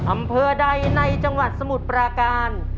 อำเภอใดในจังหวัดสมุทรปราการ